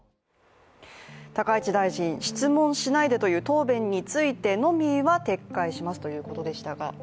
高市大臣、質問しないでという答弁についてのみは撤回しますということでしたが。